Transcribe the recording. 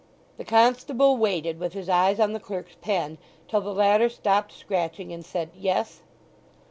The constable waited, with his eyes on the clerk's pen, till the latter stopped scratching and said, "yes."